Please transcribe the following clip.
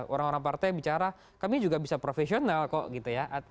orang orang partai bicara kami juga bisa profesional kok gitu ya